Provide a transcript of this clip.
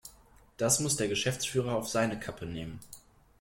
Das muss der Geschäftsführer auf seine Kappe nehmen.